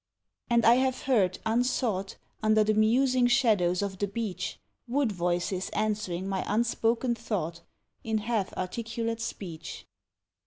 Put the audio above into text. And I have heard, unsought, Under the musing shadows of the beech, Wood voices answering my unspoken thought, In half articulate speech.